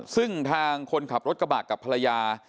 ซึ่งทางคนขับรถกระบะกับภรรยา